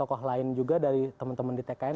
tokoh lain juga dari teman teman di tkn